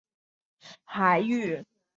本鱼分布于西南大西洋区的巴西海域。